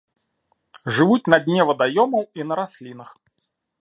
Жывуць на дне вадаёмаў і на раслінах.